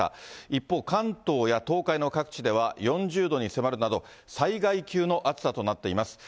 一方、関東や東海の各地では４０度に迫るなど、災害級の暑さとなっています。